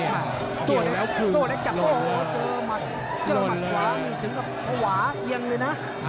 ตัวนี้จับโอ้โหเจอหมัดขวามีถึงกับขวาเหี้ยงเลยนะ